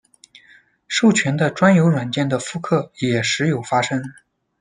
授权的专有软件的复刻也时有发生。